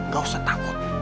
ga usah takut